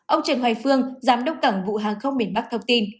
ông trần hoài phương giám đốc cẩn vụ hàng không biển bắc thông tin